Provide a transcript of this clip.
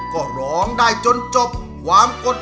โปรดติดตามต่อไป